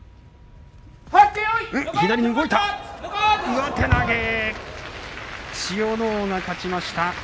上手投げ千代ノ皇が勝ちました。